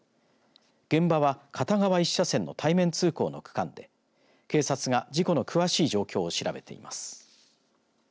現場は、片側１車線の対面通行の区間で警察が事故の詳しい状況を調べています。